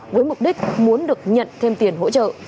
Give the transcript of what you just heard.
với mục đích muốn được nhận thêm tiền hỗ trợ